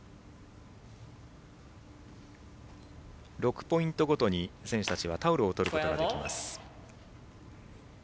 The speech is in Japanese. ６ポイントごとに選手たちはタオルを取ることができます。